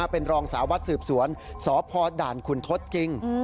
เป็นรองสาววัดสืบสวนสพด่านคุณทศจริง